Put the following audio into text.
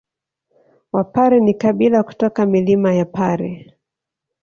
Wapare ni kabila kutoka milima ya Pare